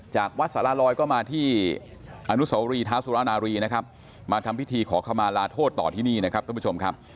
จากวัดสารลอยก็มาที่อนุสวรีเท้าสุรนารีนะครับมาทำพิธีขอขมาลาโทษต่อที่นี่นะครับท่านผู้ชมครับ